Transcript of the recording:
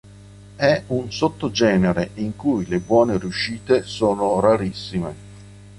È un sottogenere in cui le buone riuscite sono rarissime".